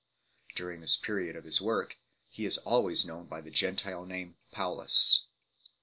During this period of his work he is always known by the Gentile name, Paulus 2